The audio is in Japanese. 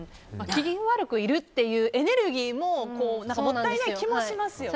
機嫌悪くいるというエネルギーももったいない気もしますよね。